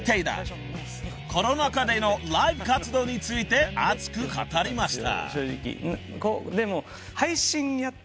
［コロナ禍でのライブ活動について熱く語りました］